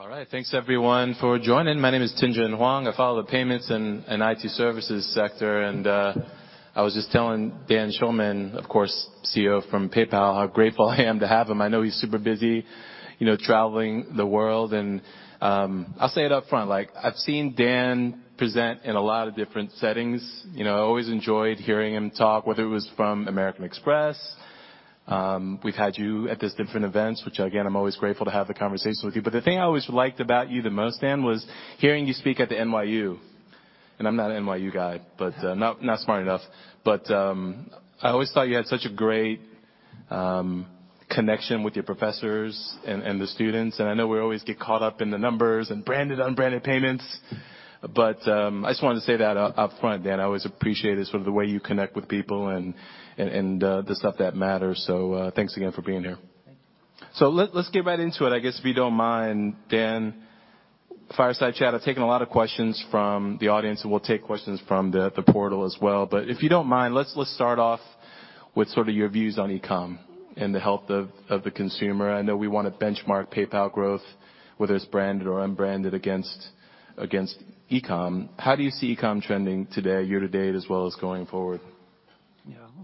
All right, thanks everyone for joining. My name is Tien-Tsin Huang. I follow the payments and IT services sector and I was just telling Dan Schulman, of course, CEO from PayPal, how grateful I am to have him. I know he's super busy, you know, traveling the world and I'll say it up front, like I've seen Dan present in a lot of different settings. You know, I always enjoyed hearing him talk, whether it was from American Express, we've had you at these different events, which again, I'm always grateful to have the conversation with you. The thing I always liked about you the most, Dan, was hearing you speak at the NYU. I'm not an NYU guy, but not smart enough. I always thought you had such a great connection with your professors and the students. I know we always get caught up in the numbers and branded, unbranded payments, but, I just wanted to say that upfront, Dan. I always appreciate it, sort of the way you connect with people and the stuff that matters. Thanks again for being here. Thank you. Let's get right into it. I guess if you don't mind, Dan, fireside chat. I've taken a lot of questions from the audience, and we'll take questions from the portal as well. If you don't mind, let's start off with sort of your views on e-com and the health of the consumer. I know we want to benchmark PayPal growth, whether it's branded or unbranded against e-com. How do you see e-com trending today, year to date, as well as going forward?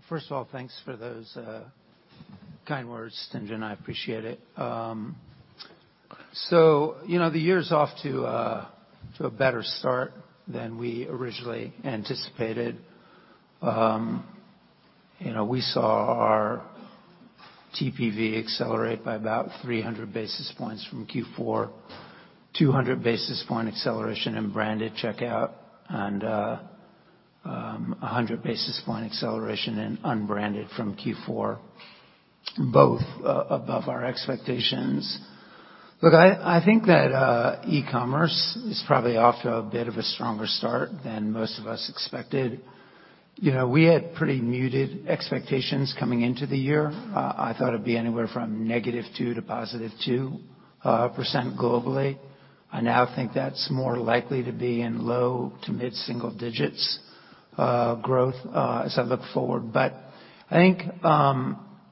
First of all, thanks for those kind words, Tien-Tsin, I appreciate it. You know, the year's off to a better start than we originally anticipated. You know, we saw our TPV accelerate by about 300 basis points from Q4, 200 basis point acceleration in branded checkout, and 100 basis point acceleration in unbranded from Q4, both above our expectations. Look, I think that e-commerce is probably off to a bit of a stronger start than most of us expected. You know, we had pretty muted expectations coming into the year. I thought it'd be anywhere from -2% to +2% globally. I now think that's more likely to be in low to mid-single digits growth as I look forward. I think,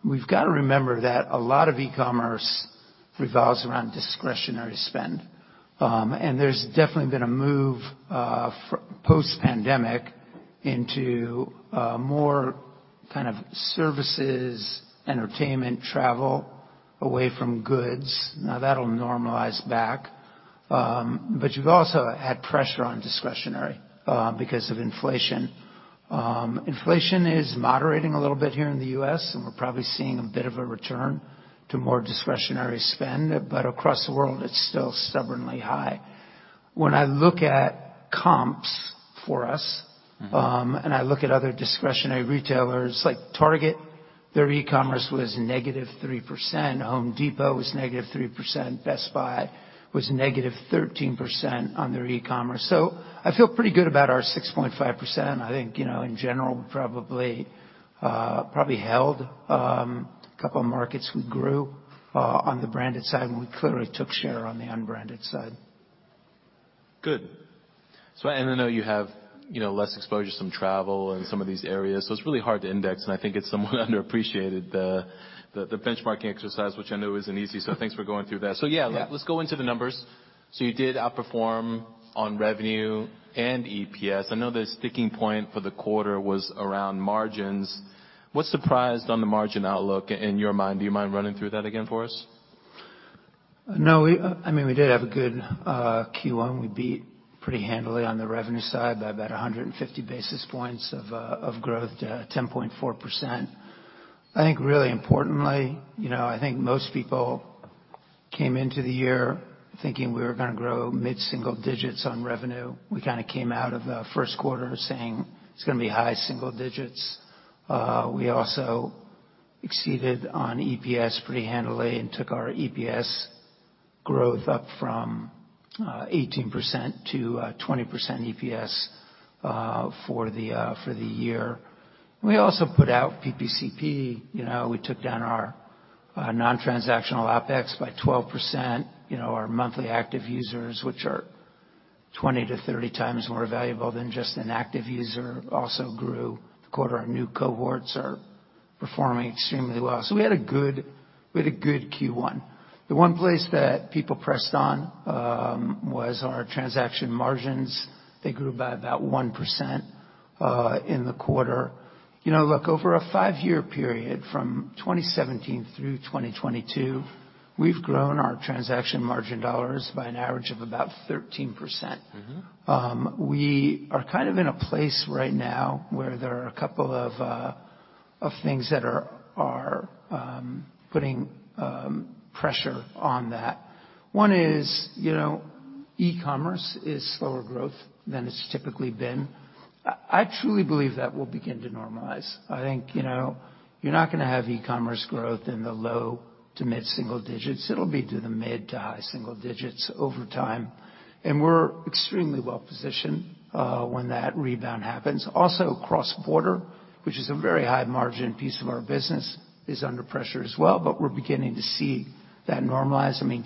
we've got to remember that a lot of e-commerce revolves around discretionary spend. And there's definitely been a move, post-pandemic into, more kind of services, entertainment, travel, away from goods. Now, that'll normalize back. But you've also had pressure on discretionary, because of inflation. Inflation is moderating a little bit here in the US, and we're probably seeing a bit of a return to more discretionary spend. Across the world, it's still stubbornly high. When I look at comps for us. Mm-hmm. I look at other discretionary retailers like Target, their e-commerce was -3%. Home Depot was -3%. Best Buy was negative 13% on their e-commerce. I feel pretty good about our 6.5%. I think, you know, in general, we probably held a couple of markets we grew on the branded side, and we clearly took share on the unbranded side. Good. I know you have, you know, less exposure to some travel and some of these areas, so it's really hard to index. I think it's somewhat underappreciated, the benchmarking exercise, which I know isn't easy. Thanks for going through that. Yeah. Yeah, let's go into the numbers. You did outperform on revenue and EPS. I know the sticking point for the quarter was around margins. What surprised on the margin outlook in your mind? Do you mind running through that again for us? No. I mean, we did have a good Q1. We beat pretty handily on the revenue side by about 150 basis points of growth at 10.4%. I think really importantly, you know, I think most people came into the year thinking we were gonna grow mid-single digits on revenue. We kinda came out of the first quarter saying it's gonna be high single digits. We also exceeded on EPS pretty handily and took our EPS growth up from 18% to 20% EPS for the year. We also put out PPCP. You know, we took down our non-transactional OPEX by 12%. You know, our monthly active users, which are 20-30 times more valuable than just an active user, also grew. The quarter on new cohorts are performing extremely well. We had a good Q1. The one place that people pressed on, was our transaction margins. They grew by about 1% in the quarter. You know, look, over a five-year period from 2017 through 2022, we've grown our transaction margin dollars by an average of about 13%. Mm-hmm. We are kind of in a place right now where there are a couple of things that are putting pressure on that. One is, you know, e-commerce is slower growth than it's typically been. I truly believe that will begin to normalize. I think, you know, you're not gonna have e-commerce growth in the low to mid-single digits. It'll be to the mid to high single digits over time. We're extremely well-positioned when that rebound happens. Also, cross-border, which is a very high-margin piece of our business, is under pressure as well, but we're beginning to see that normalize. I mean,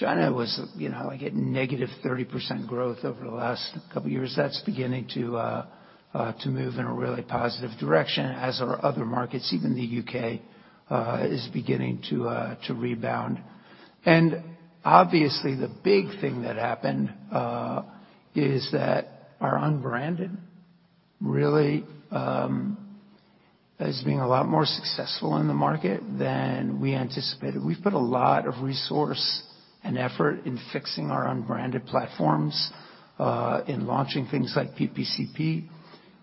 China was, you know, like at negative 30% growth over the last couple years. That's beginning to move in a really positive direction as are other markets. Even the UK is beginning to rebound. Obviously, the big thing that happened is that our unbranded really is being a lot more successful in the market than we anticipated. We've put a lot of resource and effort in fixing our unbranded platforms, in launching things like PPCP.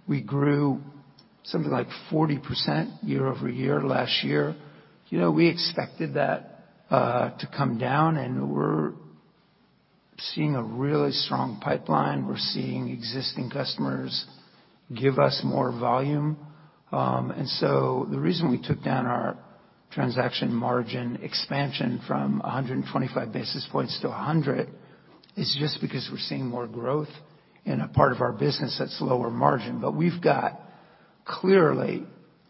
We grew something like 40% year-over-year last year. You know, we expected that to come down, and we're seeing a really strong pipeline. We're seeing existing customers give us more volume. The reason we took down our transaction margin expansion from 125 basis points to 100 is just because we're seeing more growth in a part of our business that's lower margin. We've got clearly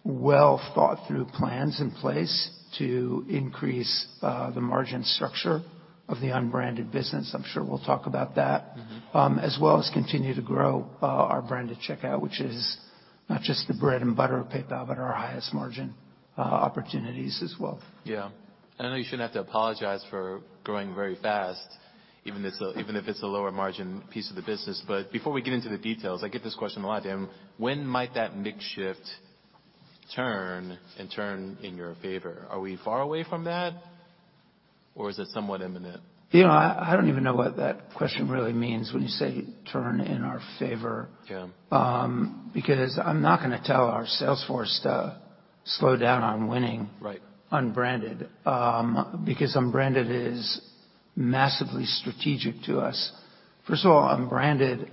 well-thought-through plans in place to increase the margin structure of the unbranded business. I'm sure we'll talk about that. Mm-hmm. As well as continue to grow, our branded checkout, which is not just the bread and butter of PayPal, but our highest margin, opportunities as well. Yeah. I know you shouldn't have to apologize for growing very fast, even if it's a, even if it's a lower margin piece of the business. Before we get into the details, I get this question a lot, Dan. When might that mix shift turn and turn in your favor? Are we far away from that, or is it somewhat imminent? You know, I don't even know what that question really means when you say turn in our favor. Yeah. I'm not gonna tell our sales force to slow down. Right Unbranded, because unbranded is massively strategic to us. First of all, unbranded,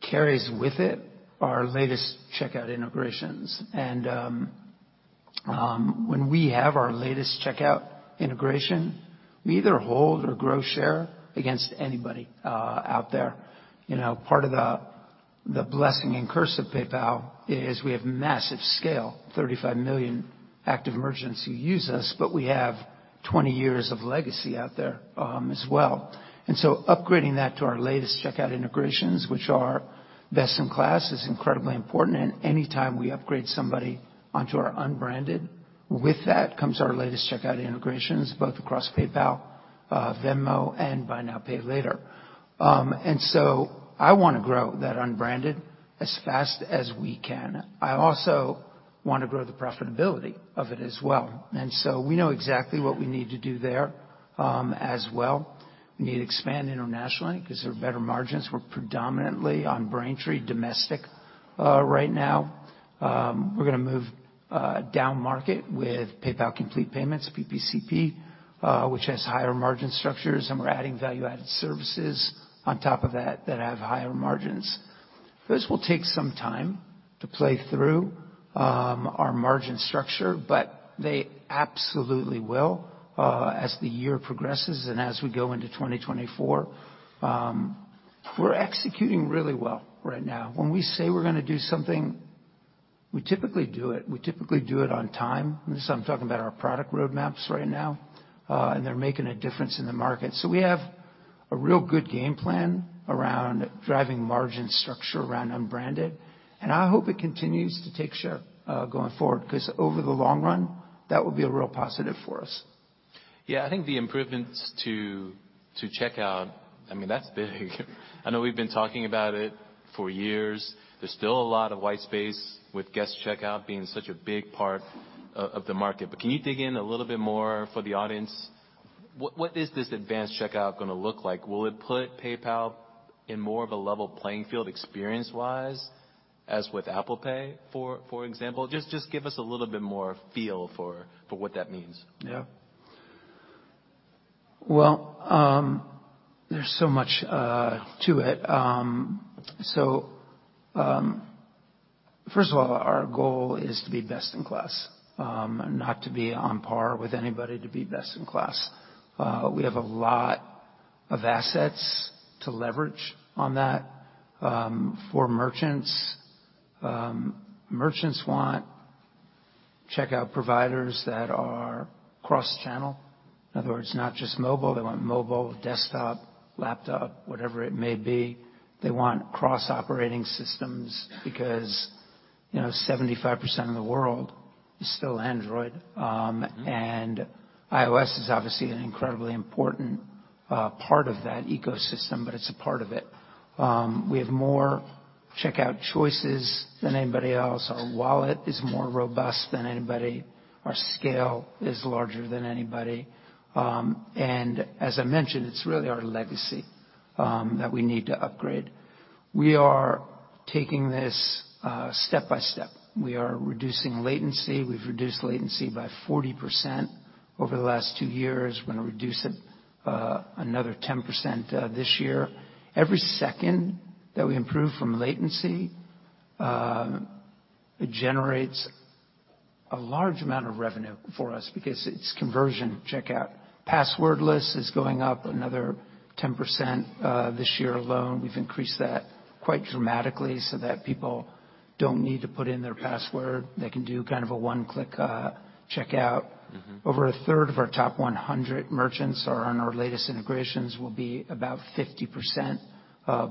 carries with it our latest checkout integrations. When we have our latest checkout integration, we either hold or grow share against anybody out there. You know, part of the blessing and curse of PayPal is we have massive scale, 35 million active merchants who use us, but we have 20 years of legacy out there as well. Upgrading that to our latest checkout integrations, which are best in class, is incredibly important. Any time we upgrade somebody onto our unbranded, with that comes our latest checkout integrations, both across PayPal, Venmo, and Buy Now, Pay Later. I wanna grow that unbranded as fast as we can. I also wanna grow the profitability of it as well. We know exactly what we need to do there as well. We need to expand internationally 'cause there are better margins. We're predominantly on Braintree domestic right now. We're gonna move down market with PayPal Complete Payments, PPCP, which has higher margin structures, and we're adding value-added services on top of that that have higher margins. Those will take some time to play through our margin structure, but they absolutely will as the year progresses and as we go into 2024. We're executing really well right now. When we say we're gonna do something, we typically do it. We typically do it on time. This is, I'm talking about our product roadmaps right now, and they're making a difference in the market. We have a real good game plan around driving margin structure around unbranded, and I hope it continues to take shape going forward 'cause over the long run, that will be a real positive for us. Yeah. I think the improvements to checkout, I mean, that's big. I know we've been talking about it for years. There's still a lot of white space with guest checkout being such a big part of the market. Can you dig in a little bit more for the audience? What is this advanced checkout gonna look like? Will it put PayPal in more of a level playing field experience-wise as with Apple Pay, for example? Just give us a little bit more feel for what that means. Yeah. Well, there's so much to it. First of all, our goal is to be best in class. Not to be on par with anybody, to be best in class. We have a lot of assets to leverage on that for merchants. Merchants want checkout providers that are cross-channel. In other words, not just mobile. They want mobile, desktop, laptop, whatever it may be. They want cross-operating systems because, you know, 75% of the world is still Android. iOS is obviously an incredibly important part of that ecosystem, but it's a part of it. We have more checkout choices than anybody else. Our wallet is more robust than anybody. Our scale is larger than anybody. As I mentioned, it's really our legacy that we need to upgrade. We are taking this step-by-step. We are reducing latency. We've reduced latency by 40% over the last two years. We're gonna reduce it another 10% this year. Every second that we improve from latency, it generates a large amount of revenue for us because it's conversion checkout. Passwordless is going up another 10% this year alone, we've increased that quite dramatically so that people don't need to put in their password. They can do kind of a one-click checkout. Mm-hmm. Over a third of our top 100 merchants are on our latest integrations, will be about 50%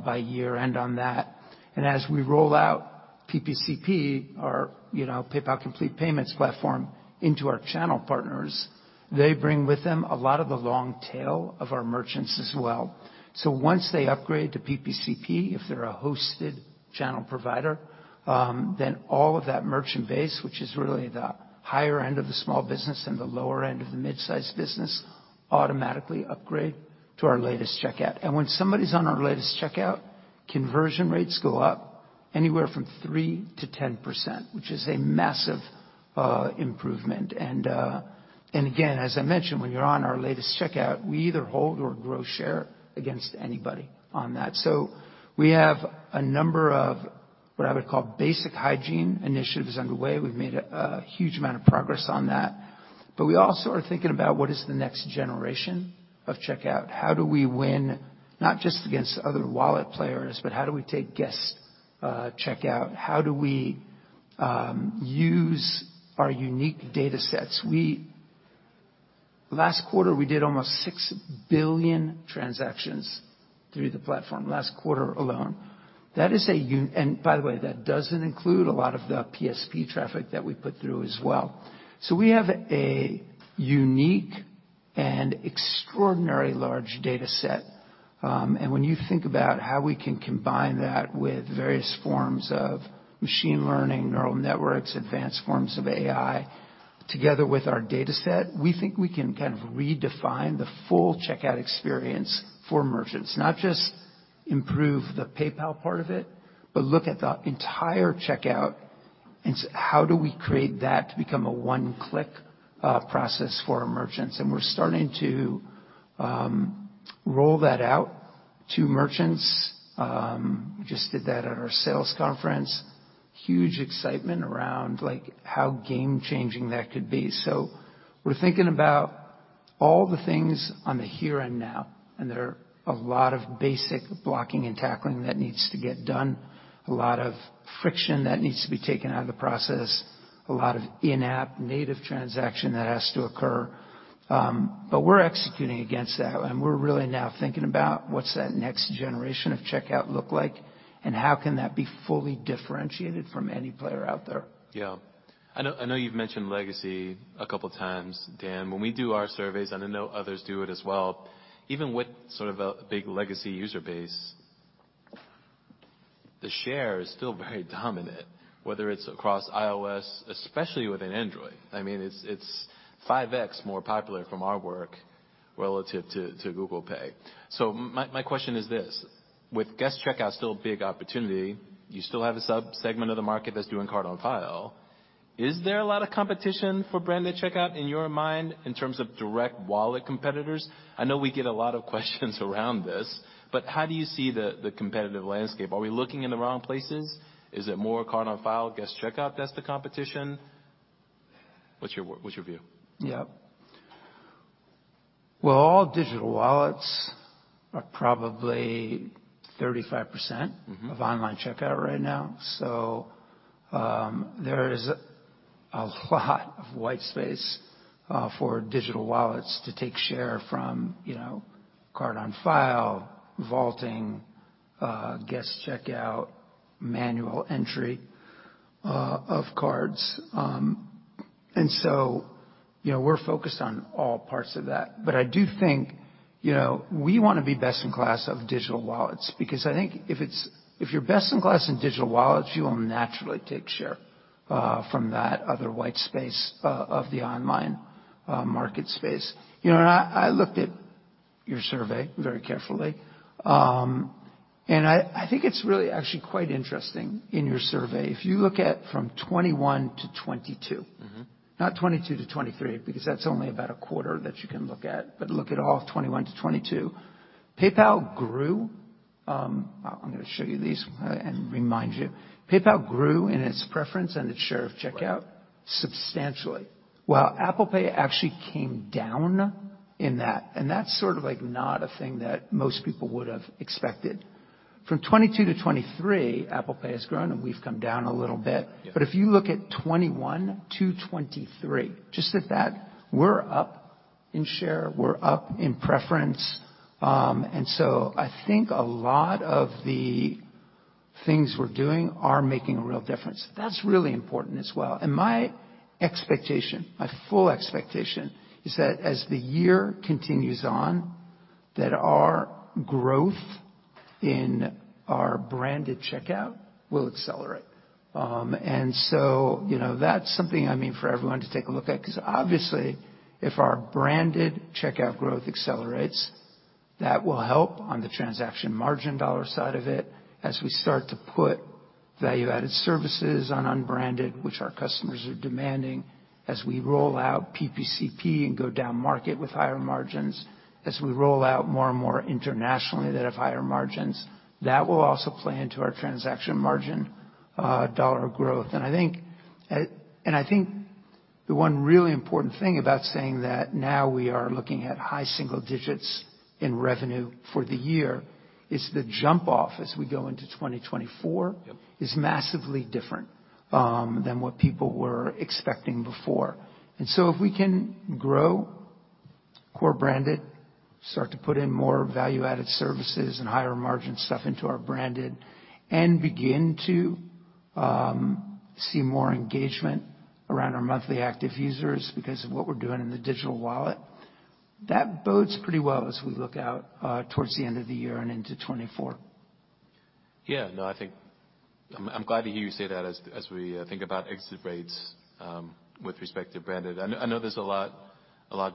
by year-end on that. As we roll out PPCP our, you know, PayPal Complete Payments platform into our channel partners, they bring with them a lot of the long tail of our merchants as well. Once they upgrade to PPCP, if they're a hosted channel provider, then all of that merchant base, which is really the higher end of the small business and the lower end of the mid-sized business, automatically upgrade to our latest checkout. When somebody's on our latest checkout, conversion rates go up anywhere from 3% - 10%, which is a massive improvement. Again, as I mentioned, when you're on our latest checkout, we either hold or grow share against anybody on that. We have a number of what I would call basic hygiene initiatives underway. We've made a huge amount of progress on that. We also are thinking about what is the next generation of checkout. How do we win, not just against other wallet players, but how do we take guest checkout? How do we use our unique datasets? Last quarter, we did almost 6 billion transactions through the platform, last quarter alone. That is and by the way, that doesn't include a lot of the PSP traffic that we put through as well. We have a unique and extraordinary large dataset. When you think about how we can combine that with various forms of machine learning, neural networks, advanced forms of AI together with our dataset, we think we can kind of redefine the full checkout experience for merchants. Not just improve the PayPal part of it, but look at the entire checkout and how do we create that to become a one-click process for our merchants? We're starting to roll that out to merchants. Just did that at our sales conference. Huge excitement around, like, how game-changing that could be. We're thinking about all the things on the here and now, and there are a lot of basic blocking and tackling that needs to get done, a lot of friction that needs to be taken out of the process, a lot of in-app native transaction that has to occur. We're executing against that, and we're really now thinking about what's that next generation of checkout look like and how can that be fully differentiated from any player out there. I know you've mentioned legacy a couple times, Dan. When we do our surveys, and I know others do it as well, even with sort of a big legacy user base, the share is still very dominant, whether it's across iOS, especially within Android. I mean, it's 5x more popular from our work relative to Google Pay. My question is this: With guest checkout still a big opportunity, you still have a subsegment of the market that's doing card on file. Is there a lot of competition for branded checkout in your mind in terms of direct wallet competitors? I know we get a lot of questions around this, but how do you see the competitive landscape? Are we looking in the wrong places? Is it more card on file guest checkout that's the competition? What's your view? Yeah. Well, all digital wallets are probably 35%- Mm-hmm. Of online checkout right now. There is a lot of white space for digital wallets to take share from, you know, card on file, vaulting, guest checkout, manual entry of cards. You know, we're focused on all parts of that. I do think, you know, we wanna be best in class of digital wallets because I think if you're best in class in digital wallets, you will naturally take share from that other white space of the online market space. You know, I looked at your survey very carefully. I think it's really actually quite interesting in your survey. If you look at from 21 to 22. Mm-hmm. Not 22 to 23, because that's only about a quarter that you can look at. Look at all of 21 to 22. PayPal grew. I'm gonna show you these and remind you. PayPal grew in its preference and its share of checkout- Right Substantially, while Apple Pay actually came down in that's sort of, like, not a thing that most people would have expected. From 2022 to 2023, Apple Pay has grown, we've come down a little bit. Yeah. If you look at 21 to 23, just at that, we're up in share, we're up in preference. I think a lot of the things we're doing are making a real difference. That's really important as well. My expectation, my full expectation is that as the year continues on, that our growth in our branded checkout will accelerate. You know, that's something, I mean, for everyone to take a look at, 'cause obviously, if our branded checkout growth accelerates, that will help on the transaction margin dollar side of it as we start to put value-added services on unbranded, which our customers are demanding, as we roll out PPCP and go down market with higher margins, as we roll out more and more internationally that have higher margins, that will also play into our transaction margin dollar growth. The one really important thing about saying that now we are looking at high single digits in revenue for the year is the jump off as we go into 2024. Yep. Is massively different than what people were expecting before. If we can grow core branded, start to put in more value-added services and higher margin stuff into our branded, and begin to see more engagement around our monthly active users because of what we're doing in the digital wallet, that bodes pretty well as we look out towards the end of the year and into 2024. Yeah, no, I'm glad to hear you say that as we think about exit rates with respect to branded. I know there's a lot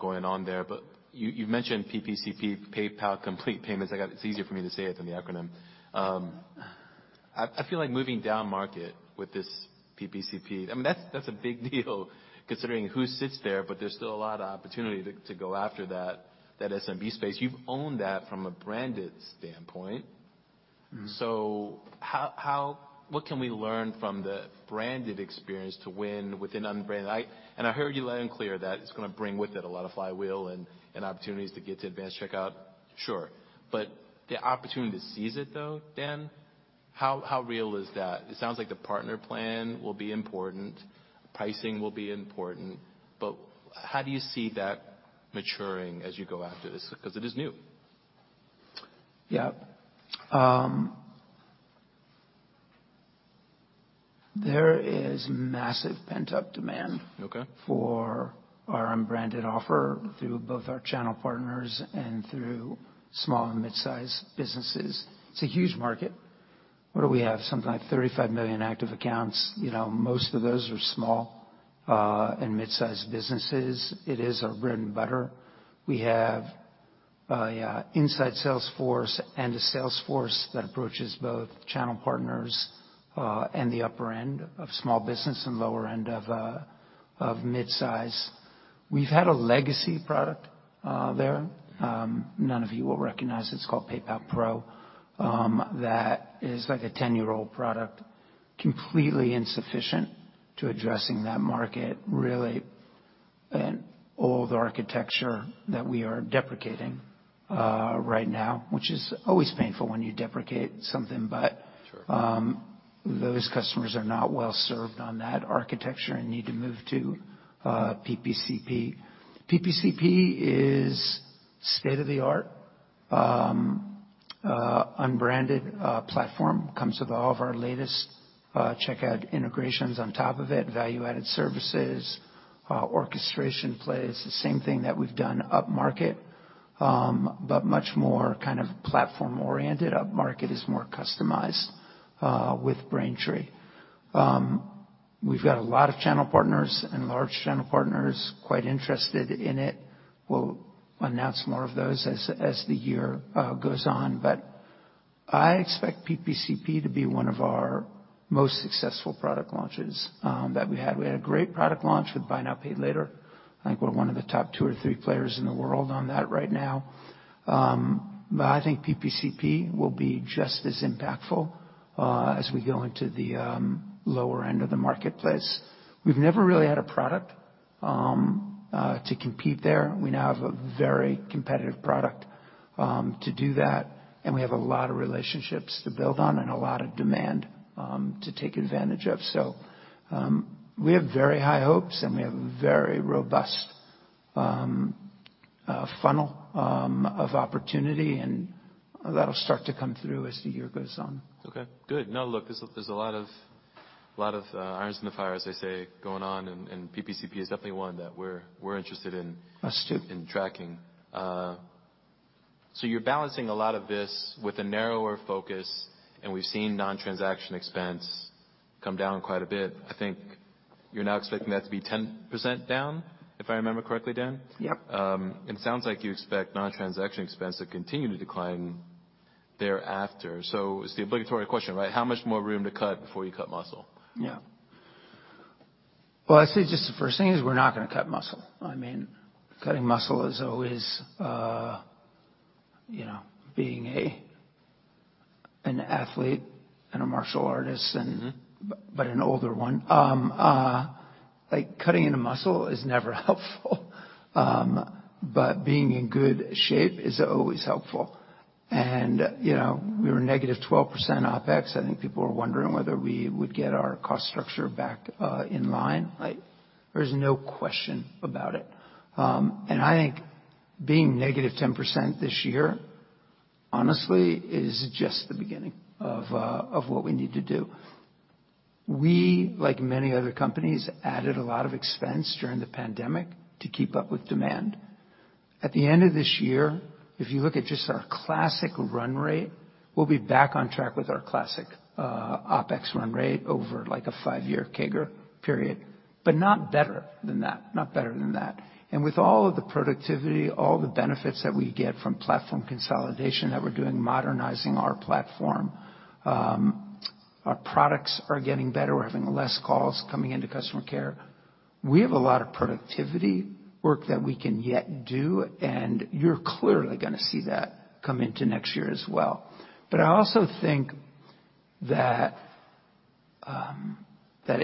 going on there, but you've mentioned PPCP, PayPal Complete Payments. It's easier for me to say it than the acronym. I feel like moving down market with this PPCP, I mean, that's a big deal considering who sits there, but there's still a lot of opportunity to go after that SMB space. You've owned that from a branded standpoint. Mm-hmm. How... What can we learn from the branded experience to win with an unbranded? I heard you loud and clear that it's gonna bring with it a lot of flywheel and opportunities to get to advanced checkout, sure. The opportunity to seize it though, Dan, how real is that? It sounds like the partner plan will be important, pricing will be important, but how do you see that maturing as you go after this? 'Cause it is new. Yeah. there is massive pent-up demand. Okay. For our unbranded offer through both our channel partners and through small and mid-size businesses. It's a huge market. What do we have? Something like 35 million active accounts. You know, most of those are small and mid-size businesses. It is our bread and butter. We have inside sales force and a sales force that approaches both channel partners and the upper end of small business and lower end of mid-size. We've had a legacy product there, none of you will recognize, it's called PayPal Payments Pro, that is like a 10-year-old product, completely insufficient to addressing that market, really an old architecture that we are deprecating right now, which is always painful when you deprecate something. Sure. Those customers are not well served on that architecture and need to move to PPCP. PPCP is state-of-the-art, unbranded platform. Comes with all of our latest checkout integrations on top of it, value-added services, orchestration plays, the same thing that we've done up market, but much more kind of platform-oriented. Up market is more customized with Braintree. We've got a lot of channel partners and large channel partners quite interested in it. We'll announce more of those as the year goes on. I expect PPCP to be one of our most successful product launches that we had. We had a great product launch with Buy Now, Pay Later. I think we're one of the top two or three players in the world on that right now. I think PPCP will be just as impactful as we go into the lower end of the marketplace. We've never really had a product to compete there. We now have a very competitive product to do that, and we have a lot of relationships to build on and a lot of demand to take advantage of. We have very high hopes, and we have a very robust funnel of opportunity, and that'll start to come through as the year goes on. Okay, good. Look, there's a lot of irons in the fire, as they say, going on, and PPCP is definitely one that we're interested in. Us too. In tracking. You're balancing a lot of this with a narrower focus, and we've seen non-transaction expense come down quite a bit. I think you're now expecting that to be 10% down, if I remember correctly, Dan? Yep. It sounds like you expect non-transaction expense to continue to decline thereafter. It's the obligatory question, right? How much more room to cut before you cut muscle? Yeah. Well, I'd say just the first thing is we're not gonna cut muscle. I mean, cutting muscle is always, you know, being a, an athlete and a martial artist and. Mm-hmm. An older one. like, cutting into muscle is never helpful. Being in good shape is always helpful. You know, we were negative 12% OpEx. I think people were wondering whether we would get our cost structure back in line, right? There's no question about it. I think being negative 10% this year, honestly, is just the beginning of what we need to do. We, like many other companies, added a lot of expense during the pandemic to keep up with demand. At the end of this year, if you look at just our classic run rate, we'll be back on track with our classic OpEx run rate over, like, a five-year CAGR period, but not better than that. Not better than that. With all of the productivity, all the benefits that we get from platform consolidation that we're doing, modernizing our platform, our products are getting better. We're having less calls coming into customer care. We have a lot of productivity work that we can yet do, and you're clearly gonna see that come into next year as well.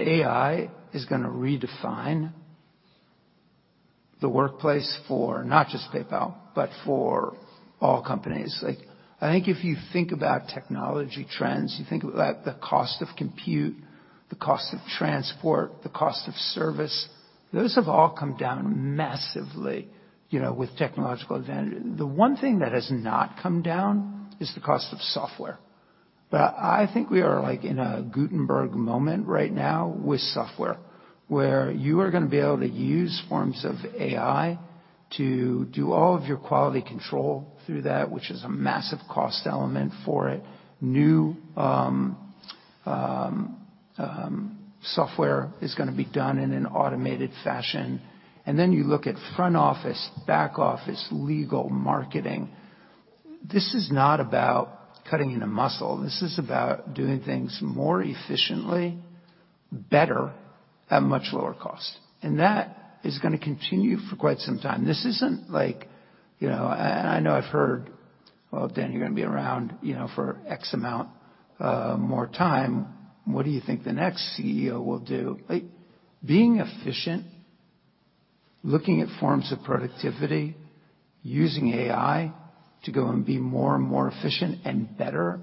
AI is going to redefine the workplace for not just PayPal, but for all companies. Like, I think if you think about technology trends, you think about the cost of compute, the cost of transport, the cost of service, those have all come down massively, you know, with technological advantage. The one thing that has not come down is the cost of software. I think we are like in a Gutenberg moment right now with software, where you are gonna be able to use forms of AI to do all of your quality control through that, which is a massive cost element for it. New software is gonna be done in an automated fashion. Then you look at front office, back office, legal, marketing. This is not about cutting into muscle. This is about doing things more efficiently, better, at much lower cost. That is gonna continue for quite some time. This isn't like, you know... I know I've heard, "Well, Dan, you're gonna be around, you know, for X amount more time. What do you think the next CEO will do?" Like, being efficient, looking at forms of productivity, using AI to go and be more and more efficient and better,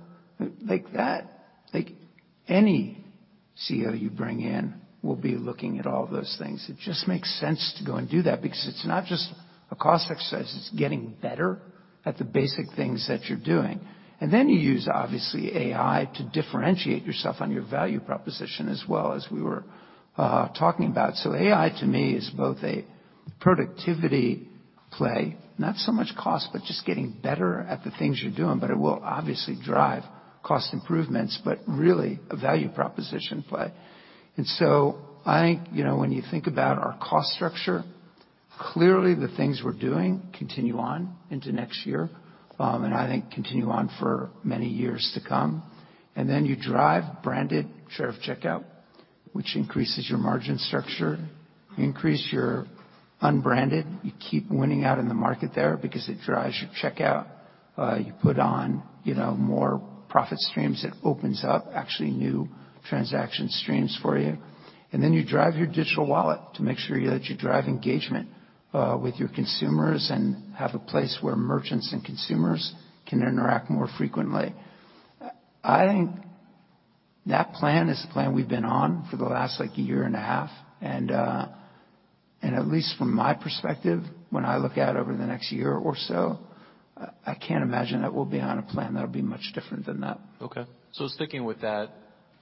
like, any CEO you bring in will be looking at all those things. It just makes sense to go and do that because it's not just a cost exercise, it's getting better at the basic things that you're doing. You use, obviously, AI to differentiate yourself on your value proposition as well as we were talking about. AI, to me, is both a productivity play, not so much cost, but just getting better at the things you're doing, but it will obviously drive cost improvements, but really a value proposition play. I think, you know, when you think about our cost structure, clearly the things we're doing continue on into next year, and I think continue on for many years to come. You drive branded share of checkout, which increases your margin structure. You increase your unbranded. You keep winning out in the market there because it drives your checkout. You put on, you know, more profit streams. It opens up actually new transaction streams for you. You drive your digital wallet to make sure that you drive engagement with your consumers and have a place where merchants and consumers can interact more frequently. I think that plan is the plan we've been on for the last like year and a half. At least from my perspective, when I look out over the next year or so, I can't imagine that we'll be on a plan that'll be much different than that. Okay. Sticking with that,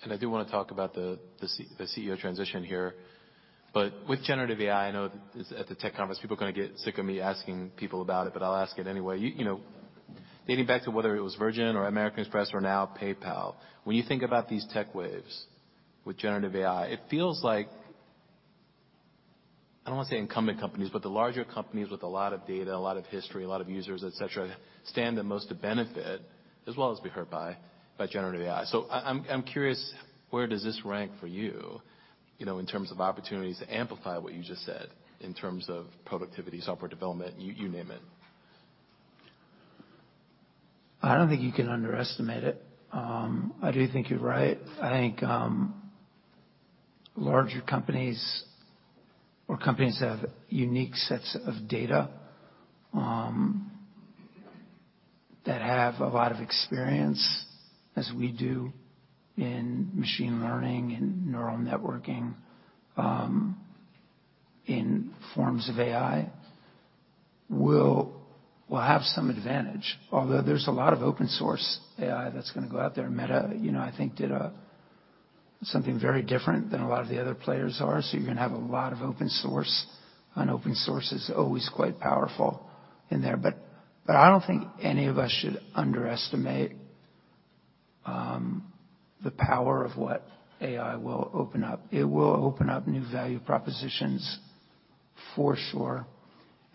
and I do wanna talk about the CEO transition here. With generative AI, I know it's at the tech conference, people are gonna get sick of me asking people about it, but I'll ask it anyway. You know, dating back to whether it was Virgin or American Express or now PayPal, when you think about these tech waves with generative AI, it feels like, I don't wanna say incumbent companies, but the larger companies with a lot of data, a lot of history, a lot of users, et cetera, stand the most to benefit as well as be hurt by generative AI. I'm curious, where does this rank for you know, in terms of opportunities to amplify what you just said in terms of productivity, software development, you name it. I don't think you can underestimate it. I do think you're right. I think larger companies or companies that have unique sets of data, that have a lot of experience, as we do in machine learning and neural networking, in forms of AI, will have some advantage. Although there's a lot of open source AI that's gonna go out there. Meta, you know, I think did something very different than a lot of the other players are. You're gonna have a lot of open source, and open source is always quite powerful in there. I don't think any of us should underestimate the power of what AI will open up. It will open up new value propositions for sure,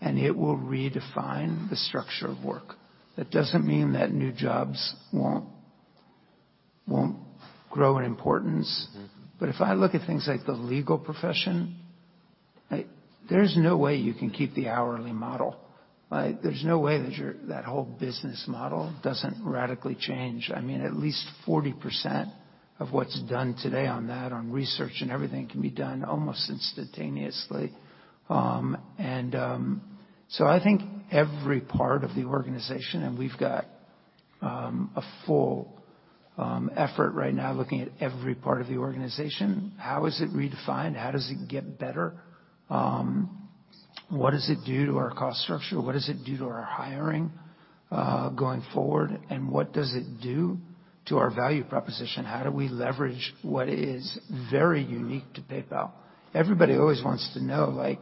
and it will redefine the structure of work. That doesn't mean that new jobs won't grow in importance. Mm-hmm. If I look at things like the legal profession, there's no way you can keep the hourly model. Like, there's no way that whole business model doesn't radically change. I mean, at least 40% of what's done today on that, on research and everything, can be done almost instantaneously. And I think every part of the organization, and we've got a full effort right now looking at every part of the organization. How is it redefined? How does it get better? What does it do to our cost structure? What does it do to our hiring going forward? What does it do to our value proposition? How do we leverage what is very unique to PayPal? Everybody always wants to know, like,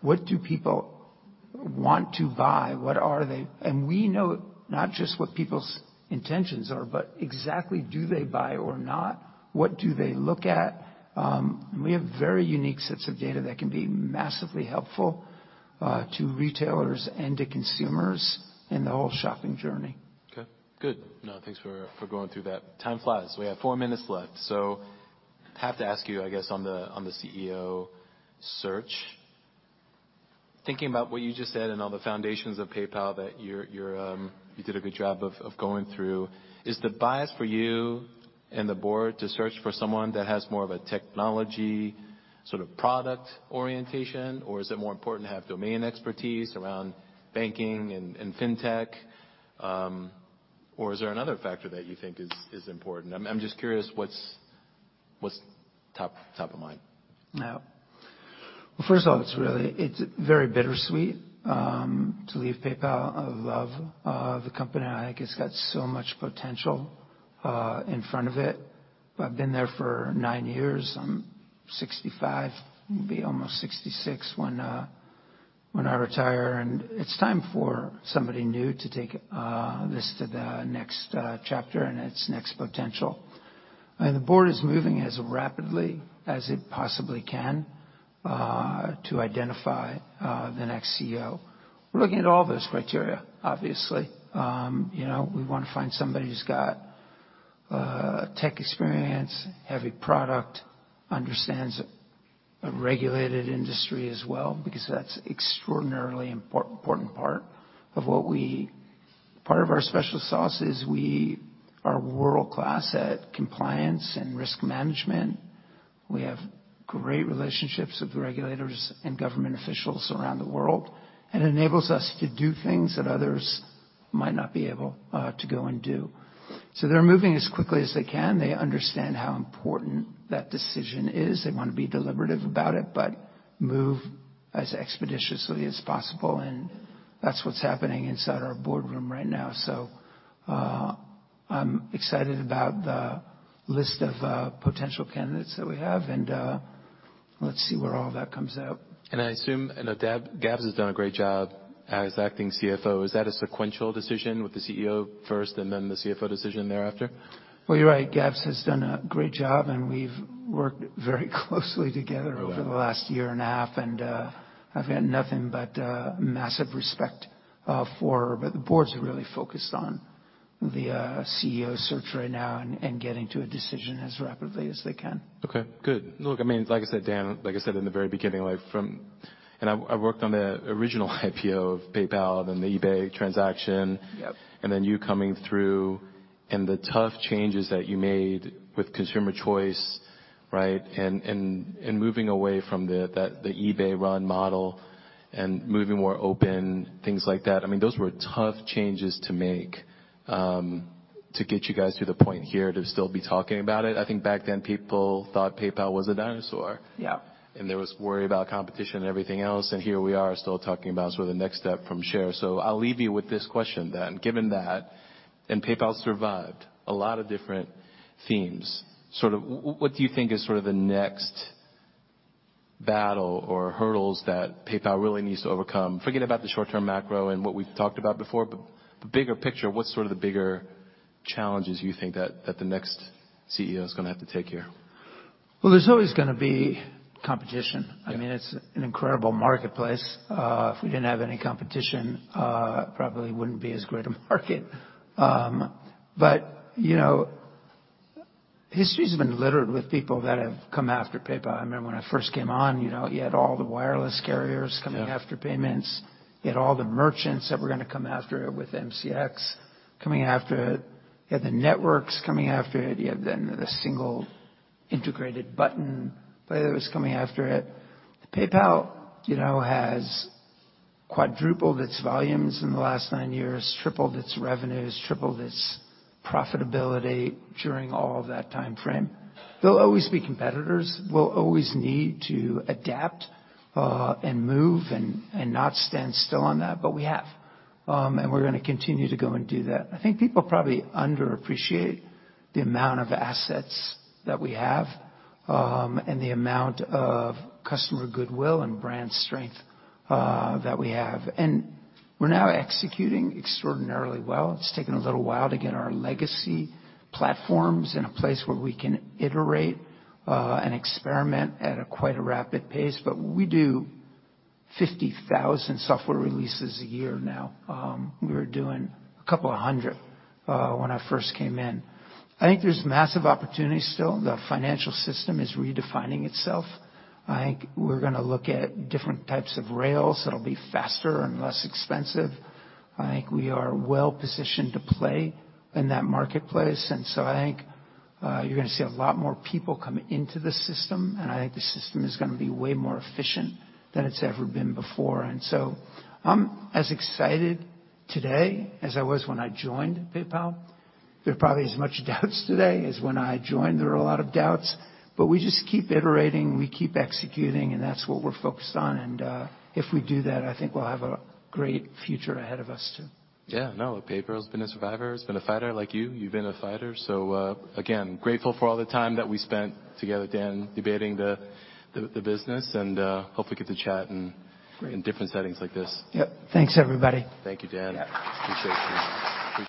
what do people want to buy? What are they? We know not just what people's intentions are, but exactly do they buy or not? What do they look at? We have very unique sets of data that can be massively helpful to retailers and to consumers in the whole shopping journey. Okay. Good. No, thanks for going through that. Time flies. We have four minutes left. Have to ask you, I guess, on the, on the CEO search. Thinking about what you just said and all the foundations of PayPal that you're, you did a good job of going through. Is the bias for you and the board to search for someone that has more of a technology sort of product orientation? Is it more important to have domain expertise around banking and fintech? Is there another factor that you think is important? I'm just curious what's top of mind. Yeah. Well, first of all, it's really, it's very bittersweet to leave PayPal. I love the company. I think it's got so much potential in front of it. I've been there for nine years. I'm 65, I'll be almost 66 when I retire, it's time for somebody new to take this to the next chapter and its next potential. The board is moving as rapidly as it possibly can to identify the next CEO. We're looking at all those criteria, obviously. You know, we wanna find somebody who's got tech experience, heavy product, understands a regulated industry as well, because that's extraordinarily important. Part of our special sauce is we are world-class at compliance and risk management. We have great relationships with the regulators and government officials around the world. It enables us to do things that others might not be able to go and do. They're moving as quickly as they can. They understand how important that decision is. They wanna be deliberative about it, but move as expeditiously as possible. That's what's happening inside our boardroom right now. I'm excited about the list of potential candidates that we have. Let's see where all that comes out. I assume, I know Gabrielle Rabinovitch has done a great job as Acting CFO. Is that a sequential decision with the CEO first and then the CFO decision thereafter? Well, you're right. Gabs has done a great job, and we've worked very closely together... Yeah. Over the last year and a half, and I've got nothing but massive respect for her. The board's really focused on the CEO search right now and getting to a decision as rapidly as they can. Okay, good. Look, I mean, like I said, Dan, like I said in the very beginning, like I worked on the original IPO of PayPal, then the eBay transaction. Yep. You coming through and the tough changes that you made with consumer choice, right? Moving away from the eBay run model and moving more open, things like that. I mean, those were tough changes to make to get you guys to the point here to still be talking about it. I think back then, people thought PayPal was a dinosaur. Yeah. There was worry about competition and everything else, and here we are still talking about sort of the next step from share. I'll leave you with this question then. Given that, PayPal survived a lot of different themes, sort of what do you think is sort of the next battle or hurdles that PayPal really needs to overcome? Forget about the short-term macro and what we've talked about before. The bigger picture, what's sort of the bigger challenges you think that the next CEO is gonna have to take here? Well, there's always gonna be competition. Yeah. I mean, it's an incredible marketplace. If we didn't have any competition, probably wouldn't be as great a market. You know, history's been littered with people that have come after PayPal. I remember when I first came on, you know, you had all the wireless carriers coming after payments. You had all the merchants that were gonna come after it with MCX coming after it. You had the networks coming after it. You had then the single integrated button player that was coming after it. PayPal, you know, has quadrupled its volumes in the last nine years, tripled its revenues, tripled its profitability during all of that timeframe. There'll always be competitors. We'll always need to adapt, and move and not stand still on that, but we have. We're gonna continue to go and do that. I think people probably underappreciate the amount of assets that we have, and the amount of customer goodwill and brand strength that we have. We're now executing extraordinarily well. It's taken a little while to get our legacy platforms in a place where we can iterate and experiment at a quite a rapid pace. We do 50,000 software releases a year now. We were doing a couple of hundred when I first came in. I think there's massive opportunities still. The financial system is redefining itself. I think we're gonna look at different types of rails that'll be faster and less expensive. I think we are well-positioned to play in that marketplace. I think, you're gonna see a lot more people come into the system, and I think the system is gonna be way more efficient than it's ever been before. I'm as excited today as I was when I joined PayPal. There are probably as much doubts today as when I joined. There were a lot of doubts, but we just keep iterating, we keep executing, and that's what we're focused on. If we do that, I think we'll have a great future ahead of us too. Yeah, no, PayPal's been a survivor. It's been a fighter like you. You've been a fighter. Again, grateful for all the time that we spent together, Dan, debating the, the business and, hopefully get to chat. Great. In different settings like this. Yep. Thanks, everybody. Thank you, Dan. Yeah. Appreciate you.